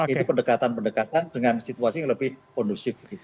itu pendekatan pendekatan dengan situasi yang lebih kondusif